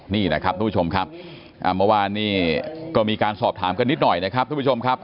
นี่นะครับทุกผู้ชมครับเมื่อวานนี้ก็มีการสอบถามกันนิดหน่อยนะครับทุกผู้ชมครับ